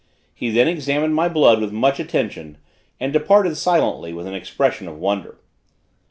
He then examined my blood with much attention, and departed silently, with an expression of wonder.